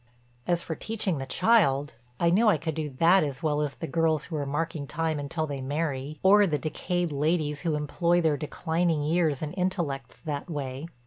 As for teaching the child, I knew I could do that as well as the girls who are marking time until they marry, or the decayed ladies who employ their declining years and intellects that way.